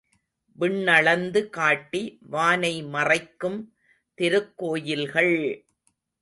விண்ணளந்து காட்டி வானை மறைக்கும் திருக்கோயில்கள்!